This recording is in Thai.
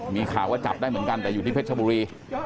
มีข่าวว่าจับได้เหมือนกันแต่อยู่ที่เพชรชบุรี